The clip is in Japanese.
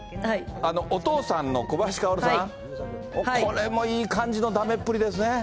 お父さんの小林薫さん、これもいい感じのだめっぷりですね。